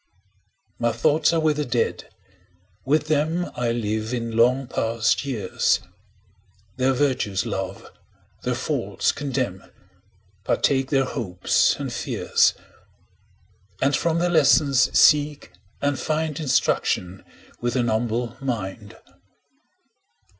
My thoughts are with the Dead; with them I live in long past years, Their virtues love, their faults condemn, 15 Partake their hopes and fears; And from their lessons seek and find Instruction with an humble mind.